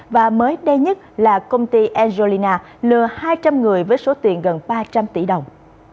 và mới đây nhất là công ty angelina lừa hai trăm linh người với số tiền gần ba trăm linh tỷ đồng